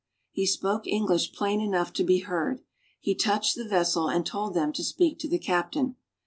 He spoke English plain enough to be heard. He touched the vessel and told them to speak to the captain.